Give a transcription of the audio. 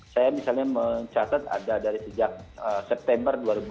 saya misalnya mencatat ada dari sejak september